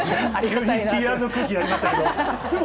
急にＰＲの空気になりましたけれども。